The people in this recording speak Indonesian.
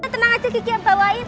tenang aja kiki bawain